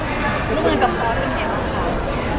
ร่วมงานกับพ่อเป็นยังไงบ้างคะ